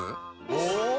お！